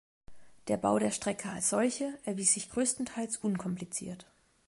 Der Bau der Strecke als solche erwies sich größtenteils unkompliziert.